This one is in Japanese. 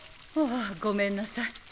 ああごめんなさい。